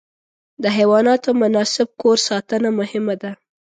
د حیواناتو مناسب کور ساتنه مهمه ده.